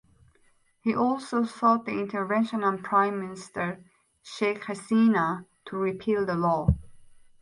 He also sought the intervention of Prime Minister Sheikh Hasina to repeal the law.